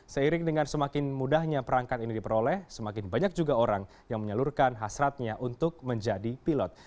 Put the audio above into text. seiring dengan semakin mudahnya perangkat ini diperoleh semakin banyak juga orang yang menyalurkan hasratnya untuk menjadi pilot